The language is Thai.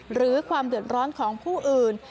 หรือความเดือดร้อนของผู้อื่น